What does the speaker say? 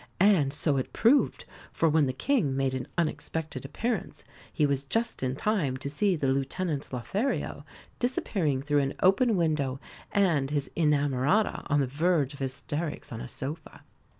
And so it proved; for when the King made an unexpected appearance he was just in time to see the lieutenant Lothario disappearing through an open window and his inamorata on the verge of hysterics on a sofa.